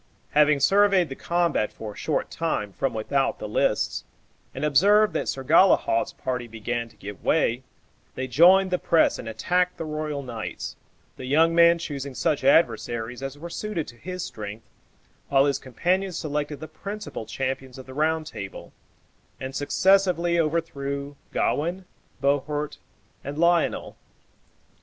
Having surveyed the combat for a short time from without the lists, and observed that Sir Galehaut's party began to give way, they joined the press and attacked the royal knights, the young man choosing such adversaries as were suited to his strength, while his companion selected the principal champions of the Round Table, and successively overthrew Gawain, Bohort, and Lionel.